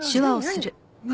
何？